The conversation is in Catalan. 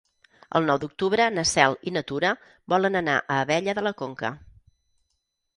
El nou d'octubre na Cel i na Tura volen anar a Abella de la Conca.